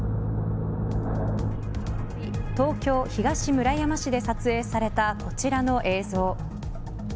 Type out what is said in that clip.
東京・東村山市で撮影されたこちらの映像。